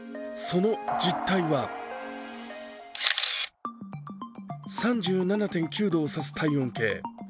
その実態は３７．９度を差す体温計。